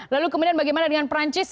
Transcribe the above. lalu kemudian bagaimana dengan perancis